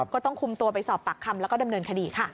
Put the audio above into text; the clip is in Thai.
ก็ต้องคุมตัวไปสอบปากคำแล้วก็ดำเนินคดีค่ะ